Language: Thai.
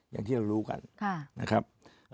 อย่างที่เรารู้กันนะครับ